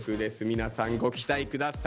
皆さんご期待下さい。